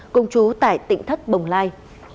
cùng chú tại tịnh thất bồng lai